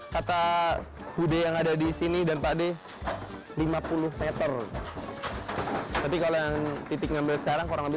kata hude yang ada di sini dan pak de lima puluh m tapi kalau yang titik ngambil sekarang kurang lebih